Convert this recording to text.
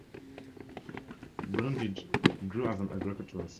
Brundidge grew as an agricultural center after the war.